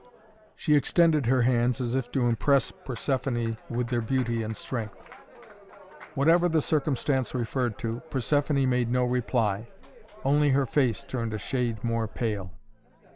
She extended her hands as if to impress Persephoné with their beauty and strength. Whatever the circumstance referred to, Persephoné made no reply. Only her face turned a shade more pale.